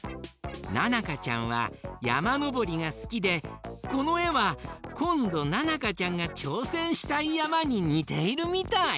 ななかちゃんはやまのぼりがすきでこのえはこんどななかちゃんがちょうせんしたいやまににているみたい！